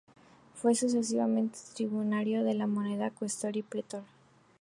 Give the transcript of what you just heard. Fue sucesivamente triunviro de la moneda, cuestor y pretor.